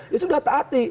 itu sudah taati